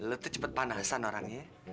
hehehe lo tuh cepet panasan orangnya